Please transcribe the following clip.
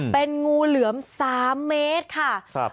เป็นงูเหลือม๓เมตรค่ะ